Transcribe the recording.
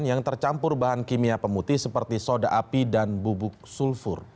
yang tercampur bahan kimia pemutih seperti soda api dan bubuk sulfur